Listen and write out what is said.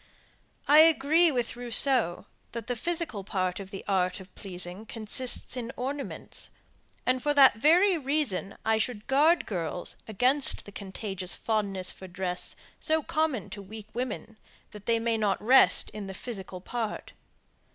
I agree with Rousseau, that the physical part of the art of pleasing consists in ornaments, and for that very reason I should guard girls against the contagious fondness for dress so common to weak women, that they may not rest in the physical part.